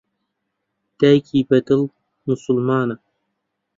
دایکی بەدڵ موسوڵمانە.